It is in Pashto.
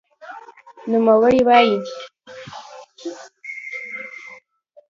نوموړی وایي،